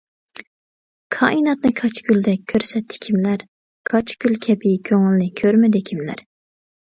كائىناتنى كاچكۇلدەك كۆرسەتتى كىملەر، كاچكۇل كەبى كۆڭۈلنى كۆرمىدى كىملەر.